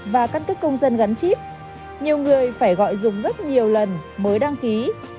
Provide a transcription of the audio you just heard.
và căn cước công dân gắn chip nhiều người phải gọi dùng rất nhiều lần mới đăng ký